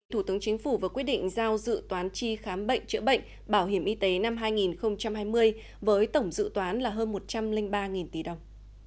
thủ tướng chính phủ vừa quyết định giao dự toán tri khám bệnh chữa bệnh bảo hiểm y tế năm hai nghìn hai mươi với tổng dự toán là hơn một trăm linh ba tỷ đồng